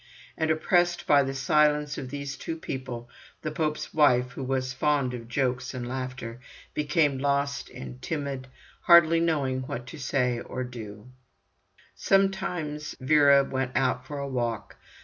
And oppressed by the silence of these two people, the pope's wife, who was fond of jokes and laughter, became lost and timid, hardly knowing what to say or do. Sometimes Vera went out for a walk.